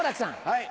はい。